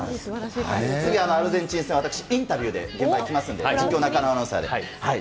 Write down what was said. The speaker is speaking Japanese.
次のアルゼンチン戦、私、インタビューで現場行きますんで、中継、なかのアナウンサーで。